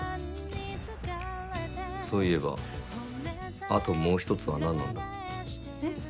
そういえばあともう１つは何なんだ？え？